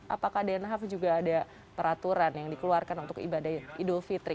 apakah den haf juga ada peraturan yang dikeluarkan untuk ibadah idul fitri